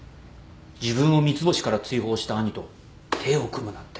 自分を三ツ星から追放した兄と手を組むなんて。